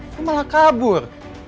lo malah kabur